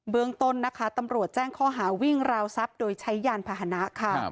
เมืองต้นนะคะตำรวจแจ้งข้อหาวิ่งราวทรัพย์โดยใช้ยานพาหนะค่ะ